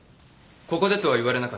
ここでとは言われなかった。